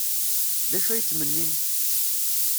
D acu ay ttmennin?